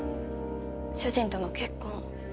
主人との結婚